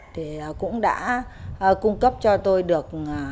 thì cũng đã cung cấp cho tôi được